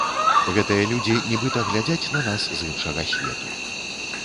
Гэтыя людзі нібыта глядзяць на нас з іншага свету.